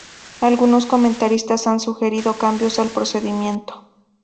Algunos comentaristas han sugerido cambios al procedimiento.